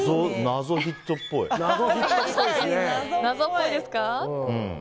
謎っぽいですか。